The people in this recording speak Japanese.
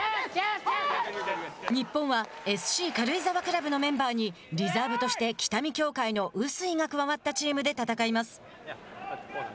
日本は、ＳＣ軽井沢クラブのメンバーにリザーブとして北見協会の臼井が加わったチームで戦います。